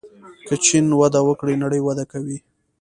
که چین وده وکړي نړۍ وده کوي.